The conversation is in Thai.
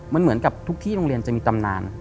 มันเหมือนกับทุกที่โรงเรียนจะมีตำนาน